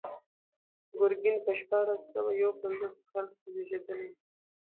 ګورګین په شپاړس سوه یو پنځوس کال کې زېږېدلی و.